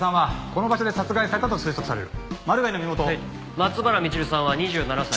松原みちるさんは２７歳。